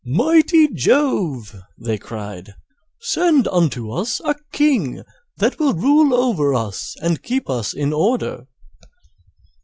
"Mighty Jove," they cried, "send unto us a King that will rule over us and keep us in order."